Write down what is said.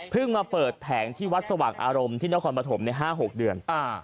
เพิ่งมาเปิดแผงที่วัดสวักอารมณ์ที่น้าขอนประถมในห้าหกเดือนอ่า